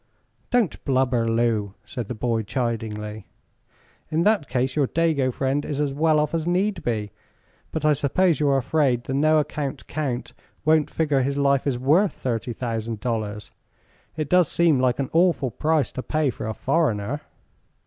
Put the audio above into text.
"Don't blubber, Lou," said the boy, chidingly; "in that case your dago friend is as well off as need be. But I suppose you're afraid the no account Count won't figure his life is worth thirty thousand dollars. It does seem like an awful price to pay for a foreigner."